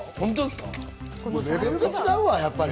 もうレベルが違うわ、やっぱり。